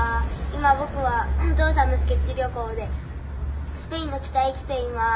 「今僕はお父さんのスケッチ旅行でスペインの北へ来ています」